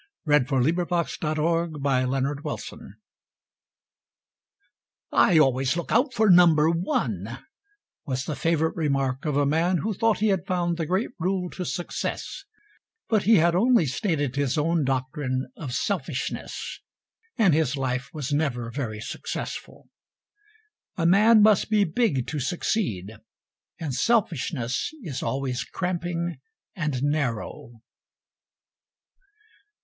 _ From "Joaquin Miller's Complete Poems." HELPING' OUT "I always look out for Number One," was the favorite remark of a man who thought he had found the great rule to success, but he had only stated his own doctrine of selfishness, and his life was never very successful. A man must be big to succeed, and selfishness is always cramping and narrow.